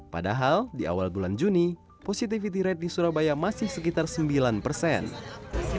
padahal di awal bulan juni rumah sakit rujukan di surabaya juga menyebut positif